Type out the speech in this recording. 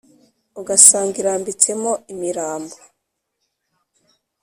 Ugasanga irambitse mo imirambo